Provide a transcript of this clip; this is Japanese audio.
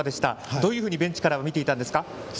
どういうふうにベンチからは見ていたんですか？